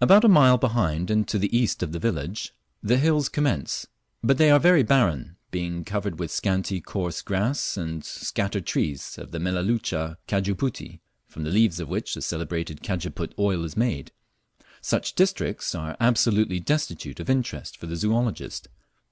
About a mile behind and to the east of the village the hills commence, but they are very barren, being covered with scanty coarse grass and scattered trees of the Melaleuca cajuputi, from the leaves of which the celebrated cajeput oil is made. Such districts are absolutely destitute of interest for the zoologist.